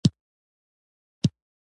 یو څو ورځي په کلا کي ورته تم سو